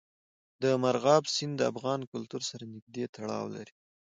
مورغاب سیند د افغان کلتور سره نږدې تړاو لري.